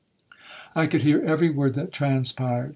I could hear every word that transpired.